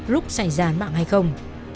lúc xảy ra mạng hay không